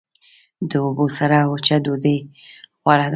د اوبو سره وچه ډوډۍ غوره ده.